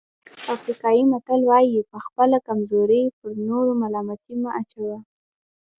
افریقایي متل وایي په خپله کمزوري پر نورو ملامتي مه اچوئ.